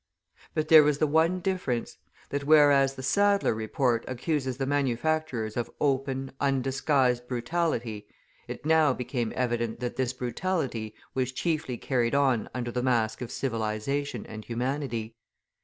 But there was the one difference, that whereas the Sadler report accuses the manufacturers of open, undisguised brutality, it now became evident that this brutality was chiefly carried on under the mask of civilisation and humanity.